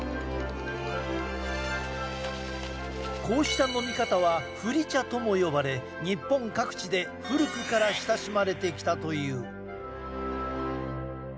こうした飲み方は振り茶とも呼ばれ日本各地で古くから親しまれてきたという。